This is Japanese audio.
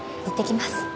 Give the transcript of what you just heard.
いってきます。